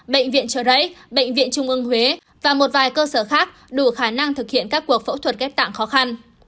bệnh viện trời rấy bệnh viện trung ương huế và một vài cơ sở khác đủ khả năng thực hiện các cuộc phẫu thuật kép tạng khó khăn